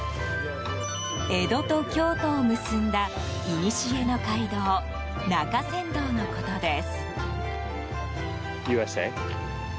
江戸と京都を結んだいにしえの街道中山道のことです。